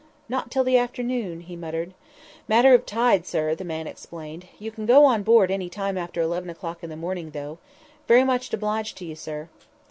"Not till the afternoon," he muttered. "Matter of tide, sir," the man explained. "You can go on board any time after eleven o'clock in the morning, though. Very much obliged to you, sir."